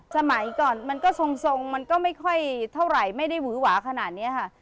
สมัยก่อนมันก็ทรงมันก็ไม่ค่อยเท่าไหร่ไม่ได้หวือหวาขนาดนี้ค่ะ